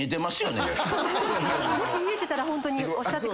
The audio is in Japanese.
もし見えてたらホントにおっしゃってください。